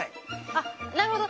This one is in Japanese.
あっなるほど。